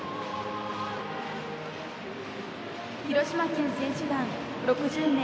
広島県選手団、６０名。